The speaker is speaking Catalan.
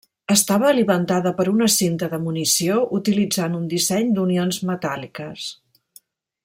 Estava alimentada per una cinta de munició, utilitzant un disseny d'unions metàl·liques.